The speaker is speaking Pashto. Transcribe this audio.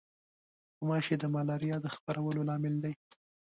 غوماشې د ملاریا د خپرولو لامل دي.